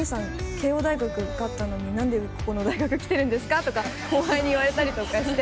慶應大学受かったのに何でここの大学来てるんですか？」とか後輩に言われたりとかして。